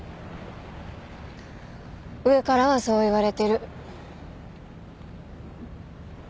上からはそう言われてる。